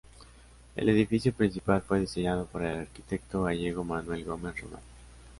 El edificio principal fue diseñado por el arquitecto gallego Manuel Gómez Román.